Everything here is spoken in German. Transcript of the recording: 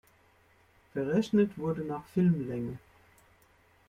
Verrechnet wurde nach Filmlänge.